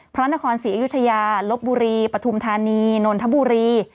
พระนครศรีอยุธยาลบบุรีปฐุมธานีนนทบุรี